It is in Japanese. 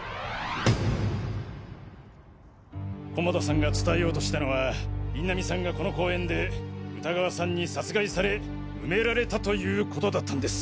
菰田さんが伝えようとしたのは印南さんがこの公園で歌川さんに殺害され埋められたということだったんです！